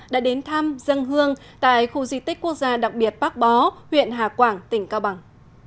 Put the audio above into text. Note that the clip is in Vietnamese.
đã đến thăm dân hương tại khu di tích quốc gia đặc biệt bác bó huyện hà quảng tỉnh cao bằng